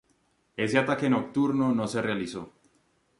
Ese ataque nocturno no se realizó.